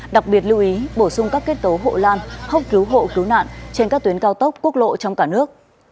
đặc biệt lưu ý bổ sung các kết tố hộ lan hốc cứu hộ cứu nạn trên các tuyến cao tốc quốc lộ trong cả nước